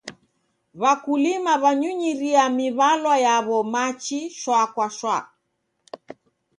W'akulima w'anyinyiria miw'alwa yaw'o machi shwaa kwa shwaa.